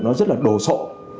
nó rất là đồ sộ